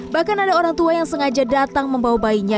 bahkan ada orang tua yang sengaja datang membawa bayinya